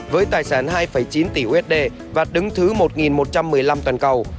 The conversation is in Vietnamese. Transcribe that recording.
với tài sản hai chín tỷ usd và đứng thứ một một trăm một mươi năm toàn cầu